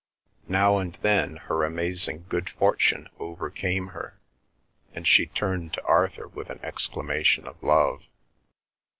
Now and then her amazing good fortune overcame her, and she turned to Arthur with an exclamation of love.